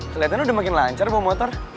keliatannya udah makin lancar bawa motor